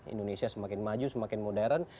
indonesia semakin maju semakin modern